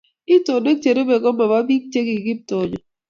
itonwek cherubei ko mobo biik chekiKiptoonyo